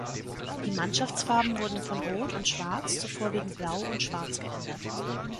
Die Mannschaftsfarben wurden von rot und schwarz zu vorwiegend blau und schwarz geändert.